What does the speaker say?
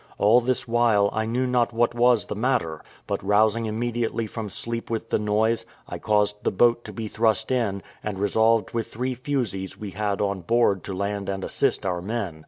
All this while, I knew not what was the matter, but rousing immediately from sleep with the noise, I caused the boat to be thrust in, and resolved with three fusees we had on board to land and assist our men.